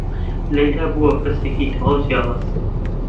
لەیلا بووە کەسێکی تەواو جیاواز.